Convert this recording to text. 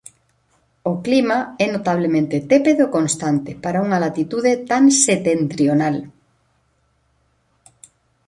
O clima é notablemente tépedo e constante para unha latitude tan setentrional.